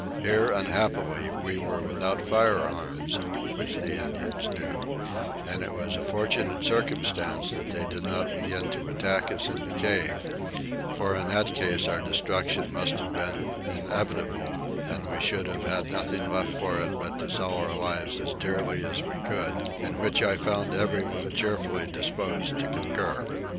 Here unhappily we were without firearms, which the Indians knew; and it was a fortunate circumstance that they did not begin to attack us in the cave; for in that case our destruction must have been inevitable, and we should have had nothing left for it but to sell our lives as dearly as we could, in which I found everyone cheerfully disposed to concur.